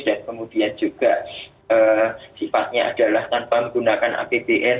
dan kemudian juga sifatnya adalah tanpa menggunakan apbn